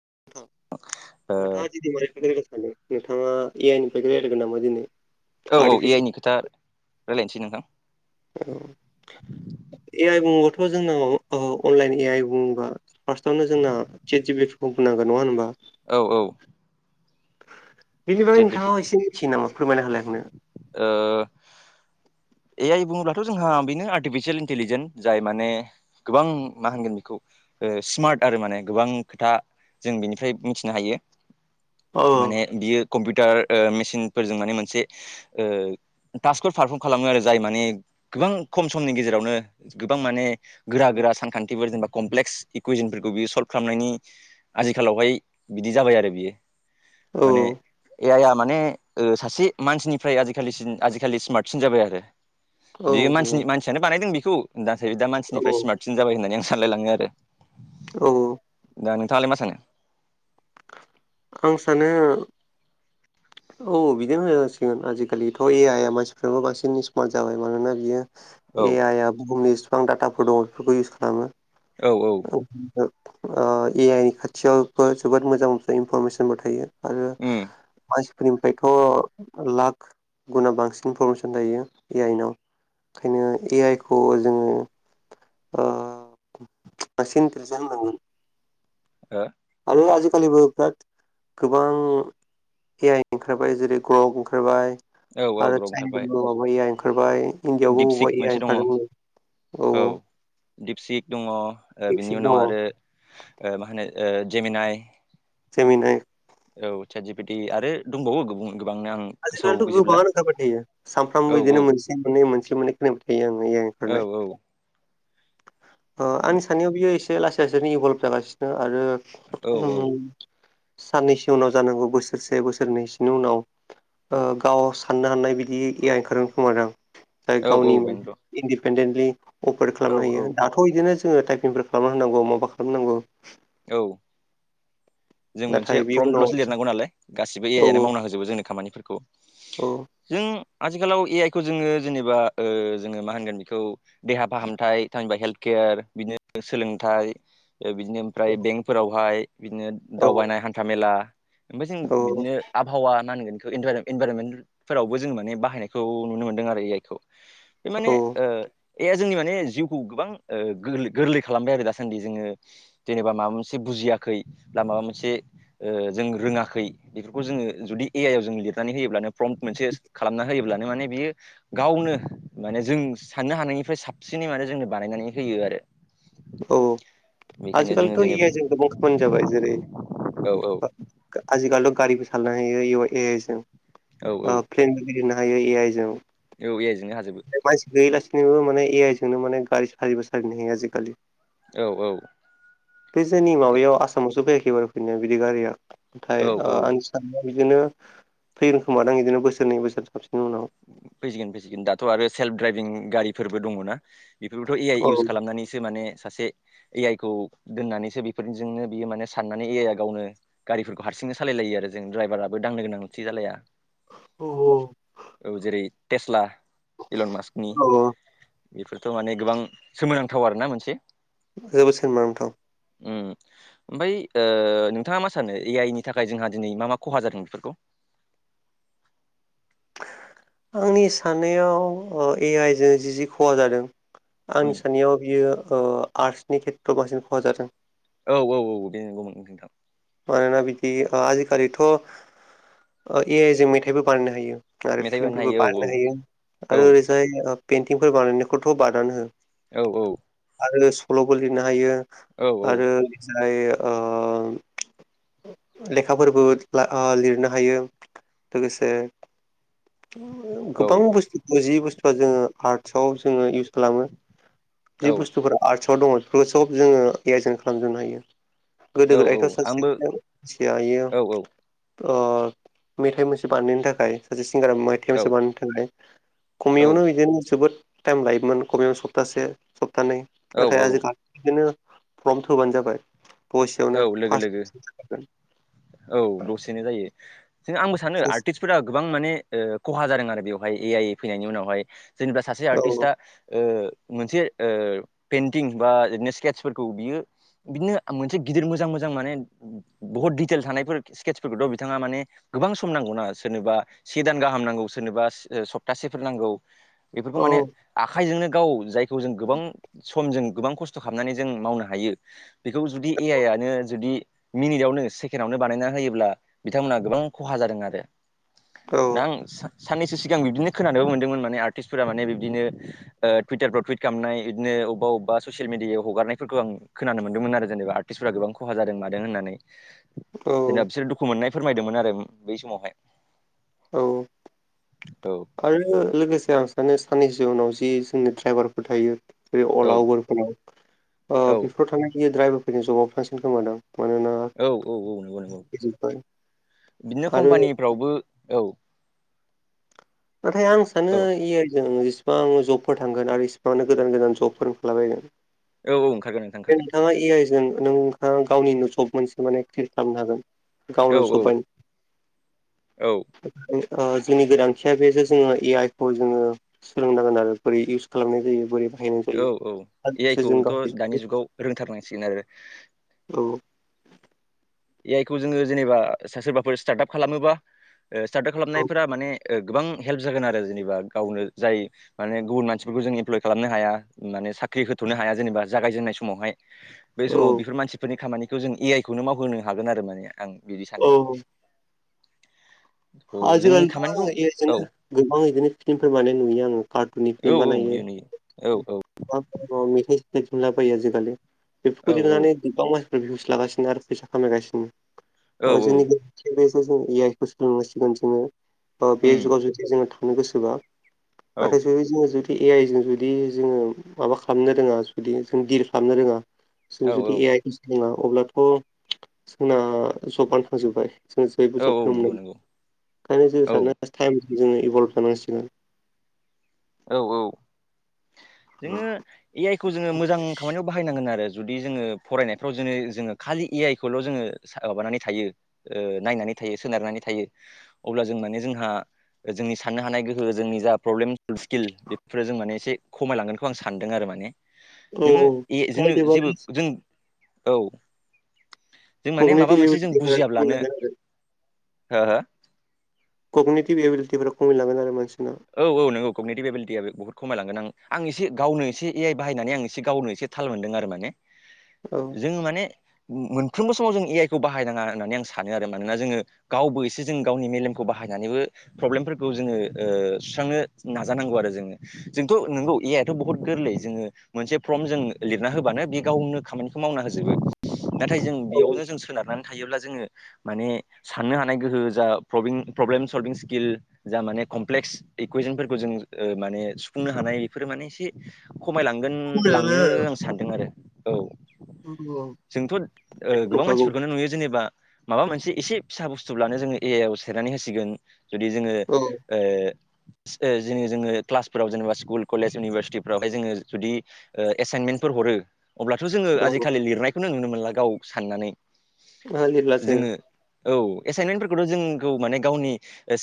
थ नोंथाङा ओ दिनै [unintelligible] नोंथाङा ए आइ निफ्रायनो रायलायगोन नामा दिनै औ औ ए आइ नि आर्टिफिसियेल खोथा रायलायनोसै नोंथां औ औ [inaudible] ए आइ बुङोबाथ' जोंनाव अनलाइन ए आइ बुङोबा फार्स‌आवनो जोंना चेट जि पि ति प्लेटफ्र'म फोरखौ नङा होनबा औ औ बेनि बागै चेट जि पि नोंथाङा एसे मिथियो नामा फोरमायना होलाय आंनो ओ ए आइ बुङोब्लाथ' जोंहा बेनो आर्टिफिसियेल इन्टेलिजेन जाय माने गोबां मा होनगोन बेखौ ओ स्मार्ट आरो माने गोबां खोथा जों बेनिफ्राय मिथिनो हायो औ माने बियो कम्पिउटार मेसिनफोरजों माने मोनसे तास्कफोर पारफर्म खालामो आरो जाय माने गोबां खम समनि गेजेरावनो गोबां माने गोरा गोरा सानखान्थिफोर जेनेबा कमप्लेक्स इकुवइसनफोरखौ बियो स'ल्भ खालामनायनि आजिखालावहाय बिदि जाबाय आरो बियो औ माने ए आइ आ माने सासे मानसिनिफ्राय आजिखालिसिन आजिखालि स्मार्टसिन जाबाय आरो औ बेयो मानसिनि औ मानसियानो बानायदों बेखौ नाथाय दा औ मानसिनिफ्राय स्मार्टसिन जाबाय होननानै आं सानलायलाङो आरो औ औ दा नोंथाङालाय मा सानो आं सानो औ बिदिनो होनजासिगोन आजिखालिथ' ए आइ आ मानसिनिफ्रायबो बांसिन स्मार्ट जाबाय मानोना बियो औ ए आइ आ बुहुमनि इसिबां डाटाफोर दङ बेफोरखौ इउस खालामो औ औ ओ ए आइ नि खाथियावबो जोबोद मोजां- मोजां इनफरमेसनबो थायो आरो उम मानसिफोरनिफ्रायथ' लाख गुना बांसिन इनफरमेसन थायो ए आइनाव ओंखायनो ए आइ खौ जोङो ओ बांंसिन इन्टेलिजेन होननांगोन ओ बे आजिखालिबो बिराद गोबां ए आइ ओंखारबाय जेरै ग्र'क ओंखारबाय औ औ आरो ग्रब ओंखारबाय चाइनाफोरावबो माबा ए आइ ओंखारबाय इन्दियावबो दिपसिक अबावबा ए मोनसे आई दङ ओंखारदोंनो औ औ दिपसिक दङ बिनि दिपसिक उनाव दङ आरो ओ मा होनो जेमिनाय जेमिनाय। औ सेट जि पे टि आरो दंबावो गोबां। आजिखालिथ' गोबाङानो ओंखारबाय थायो सानफ्रोमबो औ औ बिदिनो मोनसे मोननै। मोनसे मोननै खोनो‌ नायबाय थायो आङो औ ओंखारनाय‌। ओ आंनि साननायाव बियो एसे लासै लासैनो इभ'ल्भ जागासिनो आरो औ साननैसो उनाव जानांगौ बोसोरसे बोसोरनैसोनि उनाव ओ गाव साननो हानाय बिदि ए आइ ओंखारगोन खोमादां। जाय औ गावनि औ बेनोथ' इन्दिपेनदेनत्लि अफार औ खालामनो हायो। औ दाथ' बिदिनो जोङो टाइपिंफोर खालामना होनांगौ माबा खालामनांगौ। औ। जों मोनसे नाथाय बे उनाव फ्रमटल'सो लिरनांगौ नालाय गासिबो ए औ आइआनो मावना होजुबो जोंनि खामानिफोरखौ। औ जों आथिखालाव ए आइ खौ जोङो जेनेबा ओ जोङो मा होनगोन बेखौ देहा फाहामथाय थामहिमबा हेल्थ केयार केर बिदिनो सोलोंथाइ ओ बिदिनो ओमफ्राय बेंकफोरावहाय बिदिनो औ दावबायनाय हान्था मेला ओमफ्राय औ जों बिदिनो आबहावा मां होनगोन बे इनभाररमेन्टफोरावबो जों माने बाहायनायखौ नुनो मोनदों आरो ए आइखौ। बे औ माने ओ ए जोंनि माने जिउखौ गोबां ओ गोरलै खालामबाय आरो दासान्दि जोङो जेनेबा माबा मोनसे बुजियाखै बा माबा मोनसे ओ जों रोङाखै बेफोरखौ जोङो जुदि ए आइ आव जों लिरनानै होयोब्लानो प्रमट मोनसे खालामना होयो ब्ला माने बियो गावनो माने जों साननो हानायनिफ्राय साबसिनै माने जोंनो बानायनानै होयो आरो। [unintelligible] औ औ। बेखायनो जोङो आजिखालिथ' इ जेनेबा आइ जों गोबां खामानि जाबाय जेरै औ औ आजिखालिथ' गारिबो थानो हायो ए ए आइ जों औ ओ प्लेनबो गेलेनो हायो ए आइ जों। औ ए आइ जोंनो हाजोबो मानसि गैयालासिनोबो माने ए आइ जोंनो माने गारि साबो सालायनो हायो आजिखालि। औ औ बे जोंनि माबायाव आसामावसो फैयाखै बारु फैनाया बिदि गारिया नाथाय औ ओ आंनि साना बिदिनो फैगोन खोमादां बिदिनो बोसोरनै बोसोरथामसिननि उनाव फैसिगोन फैसिगोन दाथ' आरो सेल्फ ड्राइभिं गारिफोरबो दङ ना बेफोरखौथ' ए आइ औ इउस खालामनानैसो माने सासे ए आइखौ दोननानैसो बेफोरजोंनो बियो माने साननानै ए आइआ गावनो गारिफोरखौ हारसिंनो सालायलाय जायो आरो जों द्राइभाराबो दांनो गोनांथि जालाया। औ [unintelligible] जेरै टेस्ला इलन मास्कनि। बेफोरथ' माने गोबां सोमोनांथाव आरोना मोनसे। [unintelligible] ओम ओमफ्राय ओ नोंथाङा मा सानो ए आइ नि थाखाय जोंहा दिनै मा मा खहा जादों बेफोरखौ? [inaudible] आंनि साननायाव ओ ए आइ जों जि जि खहा जादों उम आंनि साननायाव बियो ओ आर्ट्सनि खेथ्रआव बांसिन खहा जादों। औ औ औ बे नंगौमोन नोंथां। मानोना बिदि ओ आजिखालिथ' ओ ए आइ जों मेथाइबो बानायनो हायो। आरो फिलिमफोरबो बानायनो हायो औ आरो ओरैजाय पेइन्टिंफोर बानायनायखौथ' बादानो हो। औ औ। आरो सल'बो लिरनो हायो औ आरो जाय ओ लेखाफोरबो ओ ला लिरनो हायो लोगोसे। गोबां बुस्थु जि बुस्थुआ जोङो आर्ट्साव जोङो इउस खालामो। औ जि बुस्थुफोरा आर्ट्सआव दङ बेफोरखौ सब जोङो एयजन खालामजोबनो हायो। गोदो गोदाय औ औ सासे आंबो औ औ [unintelligible] मेथाइ मोनसे बानायनायनि थाखाय सासे औ सिंगाराइटाइमसोबानो थाखाय औ खमयावनो बिदिनो जोबोद टाइम लायोमोन खमैबो सप्तासे सप्तानै औ नाथाय आजिखालि बिदिनो फर्म थोबानो जाबाय बयसेयावनो लोगो फार्स् औ दसेनो जायो। जों आंबो सानो औ आर्टिस्टफोरा गोबां माने खहा जादों आरो बेवहाय ए आइ ए फैनायनि उनावहाय जेनेबा सासे औ आर्टिस्टआ मोनसे पेइन्टिं बा बिओरैनो स्केट्सफोरखौ बियो बिदिनो मोनसे गिदिर मोजां मोजां माने बुहुत दिडिटेल थानायफोर स्केट्सफोरखौथ' बिथाङा माने गोबां सम नांगौना। सोरनोबा सि दान गाहाम नांगौ सोरनोबा सप्तासेफोर नांगौ। बेफोरखौ औ माने आखाइजोंनो गाव जायखौ जों गोबां सम जों गोबां खस्थ' खालामनानै जों मावनो हायो बेखौ जुदि ए आइआनो जुदि मिनिटावनो सेकेणडआवनो बानायना होयोब्ला बिथांमोनहा गोबां खहा जादों आरो। [inaudible] साननैसो सिगां बिदिनो खोनानोबो मोनदोंमोन माने आर्टिस्टफोरा माने बिदिनो टुइटारफ्राव टुइट खालामनाय बिदिनो अबेबा अबा ससियेल मिडिआव हगारनायफोरखौ आं खोनानो मोनदोंमोन आरो जेनेब गोबां खहा जादों मादों होननानै औ जेनेबा बिसोरो दुखु मोननाय फोरमायदोंमोन आरो बै समावहाय औ औ आरो लोगोसे आं सानो साननिस जिउनाव जि जोंनि दड्राइभारफोर थायो जेरै औ अला उबारफोराव औ बेफोराव थानायांनाय द्राइभारफोरनि जबाब थांसिन खोमादों औ औ औ नंगौ नंगौ जोब्बाय बिदिनो आरो कम्पानिफ्रावबो औ नाथाय आं सानो औ इ ज इसिबां जबफोर थांगोन आरो इसिबांनो गोदान गोदान जबफोर खालामलाबायगोन औ ओंखारगोन नोंथां बे ओंखारगोन नोंथाङा ए आइ जों नोंथाङा गावनि नुसब मोनसे माने क्रिल खालामनो हागोन। औ औ औ गनपन जोंनि गोनांथिया बेसो जोङो ए आइ खौ जोङो सोलोंनांगोन आरो बोरै इउस खालामनाय जायो बोरैबा औ औ ए आइ खौथ' [unintelligible] दानि जुगाव रोंथारनांसिगोन आरो। गाव ए आइ खौ जोङो जेनेबा सोरबाफोर स्टार्ट आप खालामोबा स्टार्ट आप खालामनायफोरा माने गोबां हेल्प जागोन आरो जेनेबा गावनो जाय माने गुबुन मानसिफोरखौ जों इमप्लय खालामनो हाया माने साख्रि होथ'नो हाया जेनेबा जागायजेननाय समावहाय बे औ समाव बेफोर मानसिफोरनि खामानिखौ जों ए आइ खौनो मावहोनो हागोन आरो माने आं बिदि औ सानो थ' जोंनि आजिखालिथ' आङो खामानिखौ दिनो औ गोबां बिदिनो फिल्मफोर बानायनाय नुयो आङो कार गुुनि औ फिलम औ बानायो। नुयो नुयो औ औ मेथाइाइुनला बायो आजिखालि औ बेफोरखौ दिहुननानै रभिउस लागासिनो आरो फैसा औ खामायगासिनो जोंनि ग जों ए आइ खौ सोलोंगासिनो। जोङो बे जुगाव जुदि जोङो थानो गोसोबा नाथाय जोो जुदि बे ए आइ जों जुदि जोङो माबा खालामनो रोङा जुदि जों दिडल खालामनो रोङा जों औ जुदि ए आइ नङा अब्लाथ' जोंना जबान थांजोबबाय जों जयबो औ औ जबनो मोनो नंगौ नंगौ ओंखायनो जों औ सानो‌ टाइम जोङो इभल्भ जानांसिगोन। औ औ जोङो ए आइ खौ जोङो मोजां खामानियाव बाहायनांगोन आरो। जुदि जोङो फरायनायफ्राव जो जोङो खालि ए आइ खौल' जोङो माबानानै थायो नायनानै सोनारनानै थायो अब्ला जों माने जोंहा जोंनि साननो हानाय गोहो जोंनि जा प्रब्लेम फुल स्किल बेफोरफोरा जों माने एसे खमायलांगोनखौ आं सानदों आरो माने औ नोङो औ ए जोंनो गाव जेबो एभारेज जों औ जों माने माबा कगनेटिभ मोनसे जों एबिलिटिफोरा बुजियाब्लानो खमायलांगोन आरो हो हो? ककनिथिबि एबिलिटिफफोरा खमायलांगोन आरो मान औ औ नोंगौ ककनिटि एबिलिटिआ बेफोरख खमायलांगोन आं आं एसे गावनो एसे ए आइ बाहायनानै आं एसे गावनो एसे थाल मोनदों आरो माने। औ जों माने मोनफ्रोमबो समाव जों ए आइ खौ बाहायनाङा होननानै आं सानो आरो। मानोना जोङो गावबो एसे जों गावनि मेलेमखौ बाहाय बाहायनानैबो प्रब्लेमफोरखौ जोङो सुस्रांनो नाजानांगौ आरो जोङो। जोंथ' नोंगौ ए आथ' बहुत गोरलै जोङो मोनसे फर्म जों लिरना होबानो बे गावनो खामानिखौ मावना होजोबो। नाथाय जों औ बेयावनो जों सोनारनानै थायोब्ला जोङो माने साननो हानाय गोहो जा प्रब्लेम सलभिं स्किल जा माने कमप्लेक्स इकुवेसनफोरखौ जों माने सुफुंनो हानाय बेफोरो माने एसे खमायलांगोन खमायलांगोन लाङो आं सानदों आरो। औ। आरो औ जोंथ' ओ बेखौ गोबां नुखागौ मानसिफोरखौनो नुयो जेनेबा। माबा मोनसे एसे फिसा बुस्थुबब्लानो जोङो ए आइ आव सेरनानै होसिगोन। जुदि जोङो औ ओ जोङो जोङो क्लासफोराव जेनेबा स्कुल कलेज इउनिभारसिटिफ्रावहाय जोङो जुदि ओ एसाइनमेन फोर हरो अब्लाथ' जोङो औ आजिखालि लिरनायखौनो नुनो मोनला गाव साननानै जोंहा जेब्ला जोंङो जोङो औ एसाइनमेन्टफोरखौथ' जोंखौ माने गावनि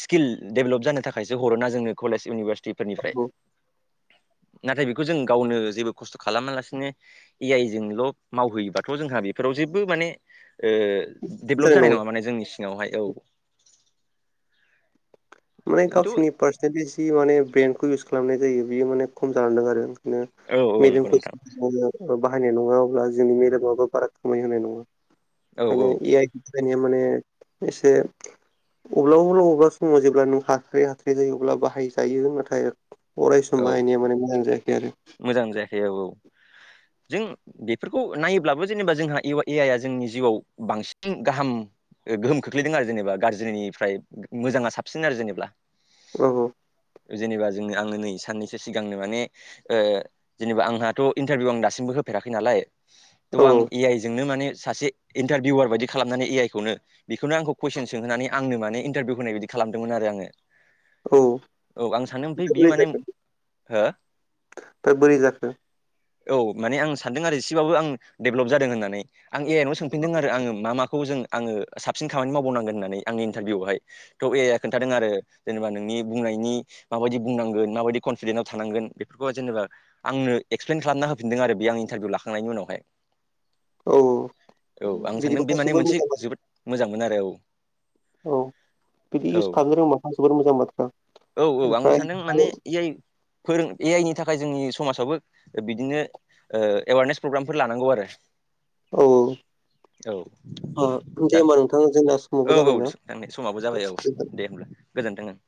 स्किल डेभेलप जानो थाखायसो हरोना जोंनो कलेज इउनिभारसिटिफोरनिफ्राय। जोङो औ [inaudible] नाथाय बेखौ जों गावनो जेबो खस्थ' खालामालासिनो ए आइ जोंल' मावहैयोबाथ' जोंहा बेफोराव जेबो माने ओ डेभेलप जानाय नङा माने जोंनि सिङावहाय। औ। [inaudible] माने खिन्थु गावसोरनि पार्सेन्टेज जि माने ब्रेन्डखौ इउस खालामनाय जायो बियो माने खम जानांदों आरो। ओ औ औ नंगौ नोंथां बिदिनो [unintelligible] बाहायनाय नङा अब्ला जोंनि मेलेमाबबो बारा खोमाय होनाय नङा बे औ औ ओंखायनो ए आइ माने एसे अब्ला [unintelligible] अब्ला नों हाथ्रै हाथ्रै जायो अब्ला बाहायजायो। नाथाय अरायसम औ बाहायनाया माने मोजां जायाखै आरो मोजां जायाखै [inaudible] जों बेफोरखौ नायोब्लाबो जेनेबा जोंहा इउ ए आइ आ जोंनि जिउआव बांसिन गाहाम गोहोम खोख्लैदों आरो जेनेबा गाज्रिनिफ्राय मोजाङा साबसिन आरो जेनेबा। औ [inaudible] जेनेबा जों आङो नै साननैसो सिगांनो माने जेनेबा आंहाथ' इन्टारभिउ आं दासिमबो होफेराखै नालाय। थ' औ आं ए आइ जोंनो माने सासे इन्टारभिउवार बायदि खालामनानै ए आइ खौनो बेखौनो आंखौ कुइसन सोंहानै आंनो माने इन्टारभिउ होनाय बायदि खा लामदोंमोन आरो आङो। औ। औ आं सानो ओमफ्राय बियो माने हो? दा बोरै जाखो? औ माने आं सानदों आरो एसेबाबो आं डेभलप जादों होननानै आं ए आइ नाव सोंफिनदों आरो आङो मा माखौ जों आंङो साबसिन खानि मावबावनांगोन होननानै आंनि इन्टारभिउआव हाय त' ए आइ आ खोन्थादों आरो जेनेबा नोंनि बुं बुंनायनि मानबायदि बुंनांगौ मा बायदि कनफिदेन्टआव थानांगोन बेफोरखौ जेनेबा आंनो एक्स्लेन खालामना होफिनदों आरो बे आं इन्टारभिउ लाखांनायनि उनावहाय। [inaudible] औ। औ आं सानदों बे बिदिबाथ' माने जोबोर मोनसे मोजां जोबोद मोजांमोन आरो औ। औ बिदि औ इउस खालामनो रोबा जोबोर मोजां बाथ्रा। औ औ आंबो ओमफ्राय सानदों माने ए आइ फोरों ए आइनि थाखाय जोंनि समाजाबो बिदिनो ओ एवारनेस प्रग्रामफोर लानांगौ आरो। औ औ औ दे दा होमबा नोंथां जोंना समावबो औ औ थांनाय समाबो जाबाय औ जाबायना दे होमब्ला। गोजोनथों ओं।